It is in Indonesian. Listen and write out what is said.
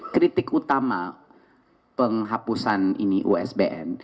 kritik utama penghapusan ini usbn